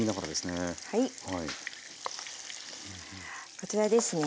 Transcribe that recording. こちらですね